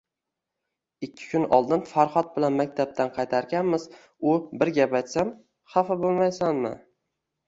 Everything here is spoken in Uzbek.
Ikki kun oldin Farhod bilan maktabdan qaytarkanmiz, u Bir gap aytsam, xafa bo`lmaysanmi